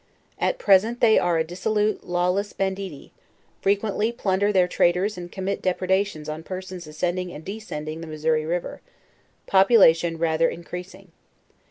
At present they are a dissolute, lawless banditti; frequently p'under their traders and commit depredations on persons ascending and descending the Missouri river; population rather increas ing.